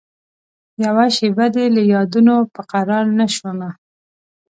یوه شېبه دي له یادونوپه قرارنه شومه